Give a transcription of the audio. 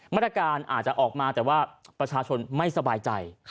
มาตรการอาจจะออกมาแต่ว่าประชาชนไม่สบายใจ